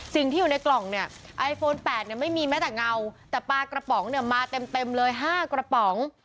สิ่งที่อยู่ในกล่องเนี่ยไอโฟน๘เนี่ยไม่มีแม้แต่เงาแต่ปลากระป๋องเนี่ยมาเต็มเลย๕กระป๋อง